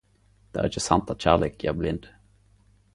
Det er ikkje sant at kjærleik gjer blind.